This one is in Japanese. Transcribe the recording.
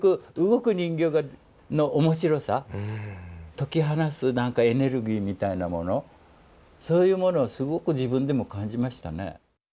解き放つ何かエネルギーみたいなものそういうものをすごく自分でも感じましたね。